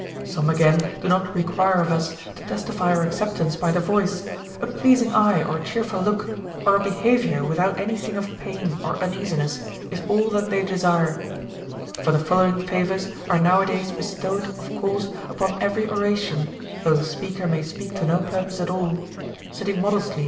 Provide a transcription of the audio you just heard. Some again do not require of us to testify our acceptance by the voice ; a pleasing eye or cheerful look, or a behavior without any thing of pain or uneasiness, is all that they desire. For the following favors are nowa days bestowed of course upon every oration, though the speaker may speak to no purpose at all, — sitting modestly * Plato, Republic, V. p. Hi D. OF HEAEING.